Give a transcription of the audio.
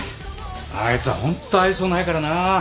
あいつはホント愛想ないからな。